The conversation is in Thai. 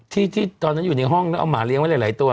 ที่ตอนนั้นอยู่ในห้องแล้วเอาหมาเลี้ยไว้หลายตัว